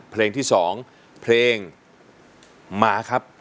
เพลงที่๒เพลงมาครับ